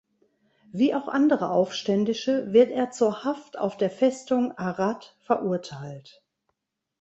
Wie auch andere Aufständische wird er zur Haft auf der Festung Arad verurteilt.